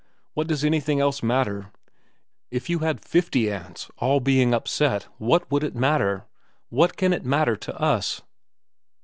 What does anything else matter ? If you had fifty aunts, all being upset, what would it matter ? What can it matter to us